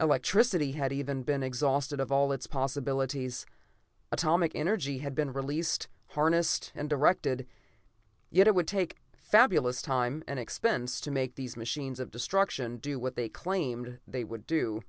Electricity had even then been exhausted of its possibilities. Atomic energy had been released, harnessed, and directed. Yet it would take fabulous time and expense to make these machines of destruction do what they claimed they would do.